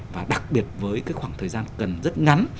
và đặc biệt với cái khoảng thời gian cần rất ngắn